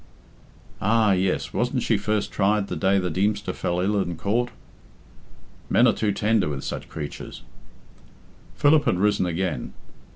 "Ah! yes, wasn't she first tried the day the Deemster fell ill in court?" "Men are too tender with such creatures." Philip had risen again.